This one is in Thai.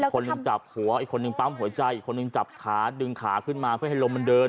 คนหนึ่งจับหัวอีกคนนึงปั๊มหัวใจอีกคนนึงจับขาดึงขาขึ้นมาเพื่อให้ลมมันเดิน